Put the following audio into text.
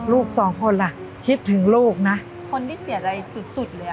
ลูกสองคนล่ะคิดถึงลูกนะคนที่เสียใจสุดสุดเลยอ่ะ